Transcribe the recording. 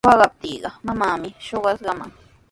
Waqaptiiqa mamaami shuqamanqa.